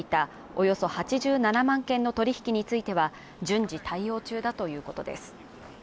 およそ８７万件の取引については順次対応中だということです